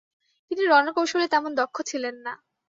তিনি রণকৌশলে তেমন দক্ষ ছিলেন না।